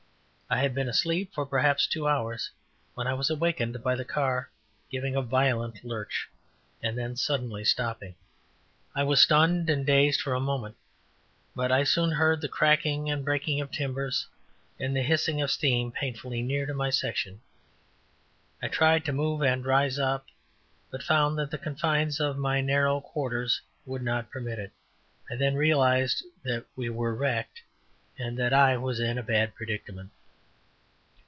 I had been asleep for perhaps two hours, when I was awakened by the car giving a violent lurch, and then suddenly stopping. I was stunned and dazed for a moment, but I soon heard the cracking and breaking of timbers, and the hissing of steam painfully near to my section. I tried to move and rise up, but found that the confines of my narrow quarters would not permit it. I then realized that we were wrecked and that I was in a bad predicament.